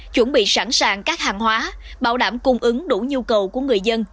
chuẩn bị sẵn sàng các hàng hóa bảo đảm cung ứng đủ nhu cầu của người dân